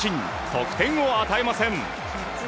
得点を与えません。